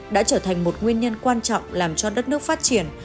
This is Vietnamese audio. đã trở thành một nguyên nhân quan trọng làm cho đất nước phát triển